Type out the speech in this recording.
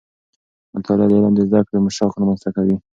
مطالعه د علم د زده کړې شوق رامنځته کوي.